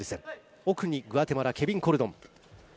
奥にグアテマラ、ケビン・コルドン。